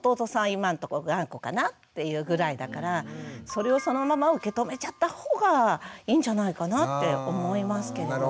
今んとこ頑固かなっていうぐらいだからそれをそのまま受け止めちゃったほうがいいんじゃないかなって思いますけどね。